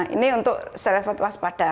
ini untuk selevel waspada